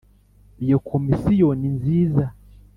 iyo komisiyo ninziza